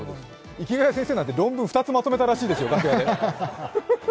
池谷先生なんて楽屋で論文２つまとめたらしいですよ。